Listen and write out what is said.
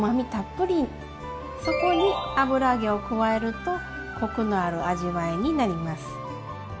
そこに油揚げを加えるとコクのある味わいになります。